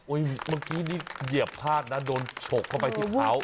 เมื่อกี้นี่เหยียบพลาดนะโดนฉกเข้าไปที่เท้า